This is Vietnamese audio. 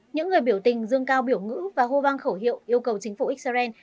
những người biểu tình dương cao biểu ngữ và hô vang khẩu hiệu yêu cầu chính phủ israel